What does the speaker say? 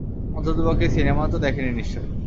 অন্ততপক্ষে সিনেমা তো দেখেনি নিশ্চয়ই।